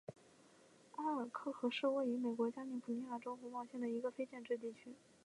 埃尔克河是位于美国加利福尼亚州洪堡县的一个非建制地区。